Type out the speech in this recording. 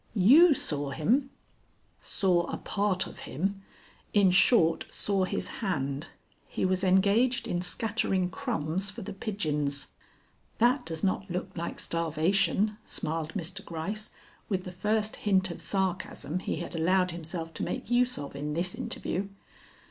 "You saw him?" "Saw a part of him; in short, saw his hand. He was engaged in scattering crumbs for the pigeons." "That does not look like starvation," smiled Mr. Gryce, with the first hint of sarcasm he had allowed himself to make use of in this interview.